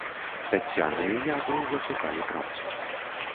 Таццяна і я доўга шукалі працу.